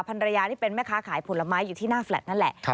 ภรรยาที่เป็นแม่ค้าขายผลไม้อยู่ที่หน้าแฟลต์นั่นแหละ